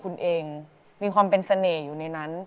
ฉันมีเพียงเธอ